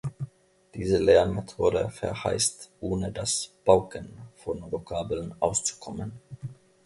Diese Lernmethode verheißt, ohne das "Pauken" von Vokabeln auszukommen.